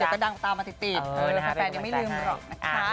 แต่ก็ดังตามมาติดแฟนยังไม่ลืมหรอกนะคะ